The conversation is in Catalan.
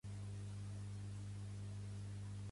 Com es va dirigir en Cadernera a en Pau de forma despectiva?